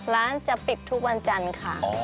ร้านจะปิดทุกวันจันทร์ค่ะ